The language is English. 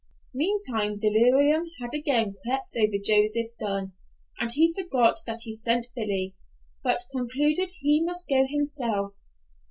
Meantime delirium had again crept over Joseph Dunn, and he forgot that he sent Billy, but concluded he must go himself.